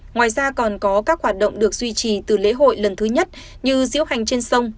ngoài ra còn có các hoạt động được duy trì từ lễ hội lần thứ nhất như diễu hành trên sông